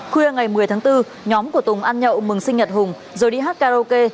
khuya ngày một mươi tháng bốn nhóm của tùng ăn nhậu mừng sinh nhật hùng rồi đi hát karaoke